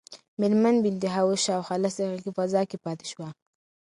مېرمن بینتهاوس شاوخوا لس دقیقې فضا کې پاتې شوه.